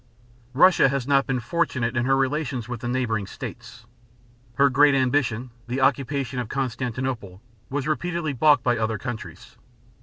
Russia has not been fortunate in her relations with the neighboring states. Her great ambition, the occupation of Constantinople, was repeatedly balked by other countries.